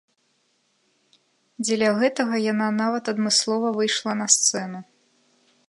Дзеля гэтага яна нават адмыслова выйшла на сцэну.